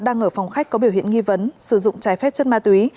đang ở phòng khách có biểu hiện nghi vấn sử dụng trái phép chất ma túy